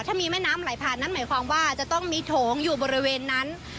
ถ้ามีแม่น้ำไหลผ่านนั้นหมายความว่าจะต้องมีโถงอยู่บริเวณนั้น